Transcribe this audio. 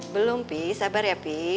belum pie sabar ya pi